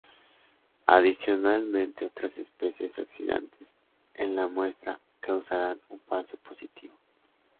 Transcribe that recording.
Adicionalmente, otras especies oxidantes en la muestra causarán un falso positivo.